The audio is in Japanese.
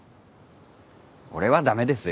俺はダメですよ。